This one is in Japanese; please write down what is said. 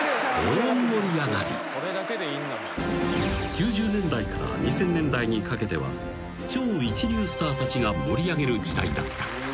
［９０年代から２０００年代にかけては超一流スターたちが盛り上げる時代だった］